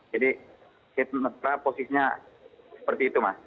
jadi kita posisinya seperti itu pak